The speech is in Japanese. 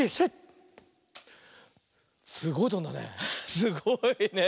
すごいねえ。